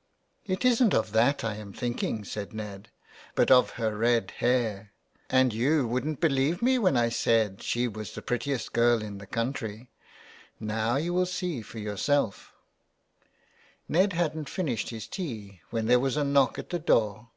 '''' It isn't of that I am thinking,'' said Ned, " but of her red hair." " And you wouldn't believe me when I said that she was the prettiest girl in the country. Now you will see for yourself" Ned hadn't finished his tea when there was a knock at the door.